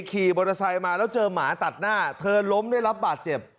ขี่มอเตอร์ไซค์มาแล้วเจอหมาตัดหน้าเธอล้มได้รับบาดเจ็บ